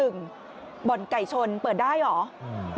บ่อนไก่ชนเปิดได้เหรอ